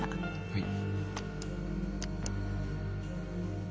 はい。